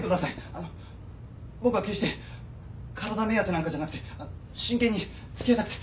あの僕は決して体目当てなんかじゃなくて真剣に付き合いたくて。